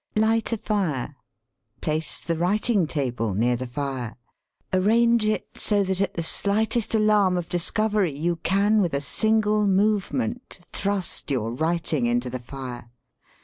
Light a fire. Place the writing table near the fire. Arrange it so that at the slightest alarm of discovery you can with a single movement thrust your writing into the fire.